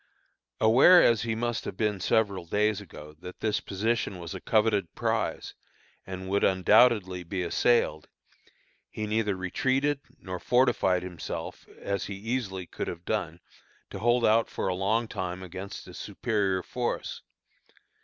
Aware as he must have been several days ago, that this position was a coveted prize and would undoubtedly be assailed, he neither retreated, nor fortified himself as he easily could have done to hold out for a long time against a superior force.